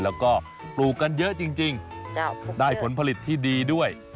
แล้วก็ปลูกกันเยอะจริงได้ผลผลิตที่ดีด้วย